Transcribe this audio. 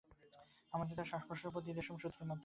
আমাদের দেহে শ্বাসপ্রশ্বাসের গতি রেশম-সূত্রের মত।